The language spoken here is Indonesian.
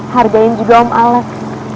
hargain juga om alex